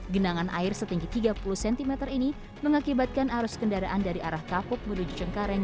genangan air setinggi tiga puluh cm ini mengakibatkan arus kendaraan dari arah kapuk menuju cengkareng